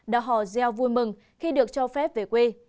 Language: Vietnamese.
đã hò reo vui mừng khi được cho phép về quê